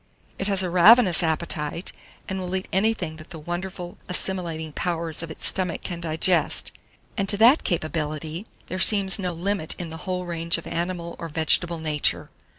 It has a ravenous appetite, and will eat anything that the wonderful assimilating powers of its stomach can digest; and to that capability, there seems no limit in the whole range of animal or vegetable nature.